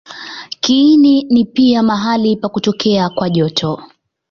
Kiini ni pia mahali pa kutokea kwa joto.